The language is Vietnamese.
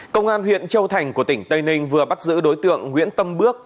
công an huyện châu thành của tỉnh tây ninh vừa bắt giữ đối tượng nguyễn tâm bước